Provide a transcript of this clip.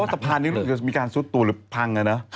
เพราะสะพานนี้ก็มีการซุดตัวหรือพังอะน่ะ